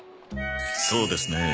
そうですねえ。